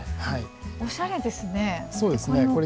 おしゃれですね。